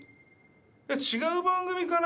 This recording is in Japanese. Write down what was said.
いや違う番組かな？